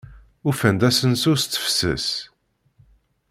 Ufan-d asensu s tefses.